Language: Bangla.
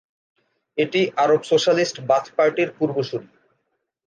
এটি আরব সোশ্যালিস্ট বাথ পার্টির পূর্বসূরি।